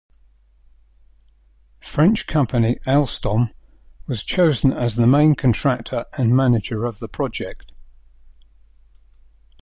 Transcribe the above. French company Alstom was chosen as the main contractor and manager of the project.